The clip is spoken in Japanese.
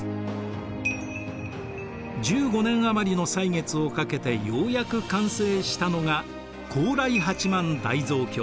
１５年余りの歳月をかけてようやく完成したのが高麗八萬大蔵経。